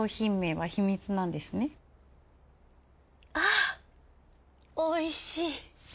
あおいしい。